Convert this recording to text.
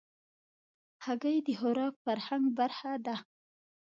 هګۍ د خوراک فرهنګ برخه ده.